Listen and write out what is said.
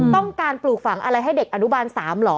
ต้องการปลูกฝังอะไรให้เด็กอนุบาล๓หรอ